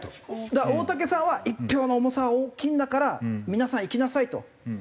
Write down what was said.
だから大竹さんは一票の重さは大きいんだから皆さん行きなさいと。